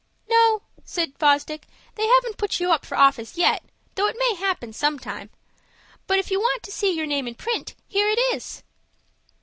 "No," said Fosdick, "they haven't put you up for office yet, though that may happen sometime. But if you want to see your name in print, here it is."